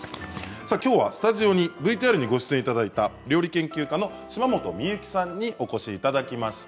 さあきょうはスタジオにＶＴＲにご出演いただいた料理研究家の島本美由紀さんにお越しいただきました。